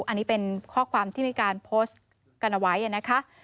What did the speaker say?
อันนี้เป็นข้อความที่มีการโพสต์กันเอาไว้นะคะ